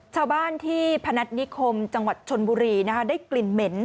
ชาวบ้านที่พนัฐนิคมจังหวัดชนบุรีได้กลิ่นเหม็น